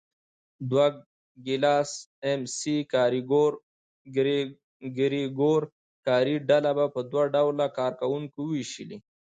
ډوګلاس اېم سي ګرېګور کاري ډله په دوه ډوله کار کوونکو وېشلې.